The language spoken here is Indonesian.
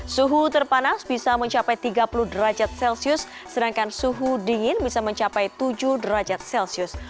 suhu terpanas bisa mencapai tiga puluh derajat celcius sedangkan suhu dingin bisa mencapai tujuh derajat celcius